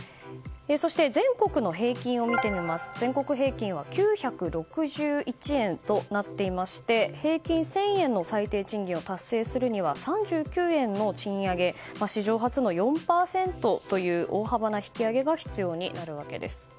そして全国の平均は９６１円となっていまして平均１０００円の最低賃金を達成するには、３９円の賃上げ史上初の４％という大幅な引き上げが必要となるわけです。